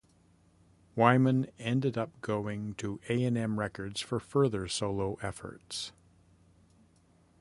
Wyman ended up going to A and M Records for further solo efforts.